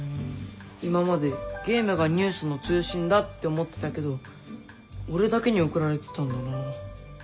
今までゲームがニュースの中心だって思ってたけど俺だけに送られてたんだな。